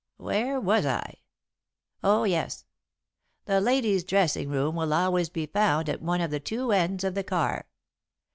"Where was I? Oh, yes. 'The ladies' dressing room will always be found at one of the two ends of the car.